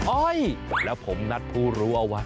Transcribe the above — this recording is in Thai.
โอ้ยแล้วผมนัดภูรัวไว้